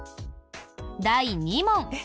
第２問。